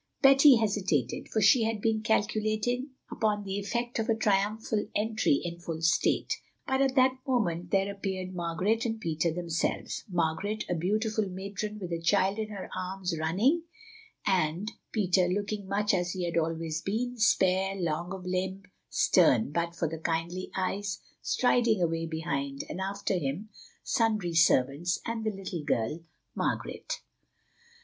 Betty hesitated, for she had been calculating upon the effect of a triumphal entry in full state. But at that moment there appeared Margaret and Peter themselves—Margaret, a beautiful matron with a child in her arms, running, and Peter, looking much as he had always been, spare, long of limb, stern but for the kindly eyes, striding away behind, and after him sundry servants and the little girl Margaret.